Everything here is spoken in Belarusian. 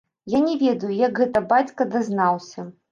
Я не ведаю, як гэта бацька дазнаўся.